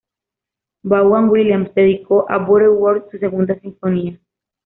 Vaughan Williams dedicó a Butterworth su segunda sinfonía.